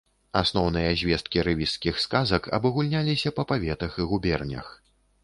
Асноўныя звесткі рэвізскіх сказак абагульняліся па паветах і губернях.